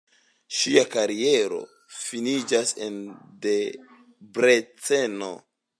Ŝia kariero finiĝis en Debreceno.